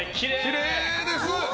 きれいです。